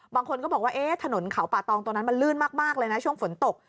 บางคนก็บอกว่าถนนเขาป่าตองตรงนั้นมันลื่นมากเลยนะช่วงฝนตก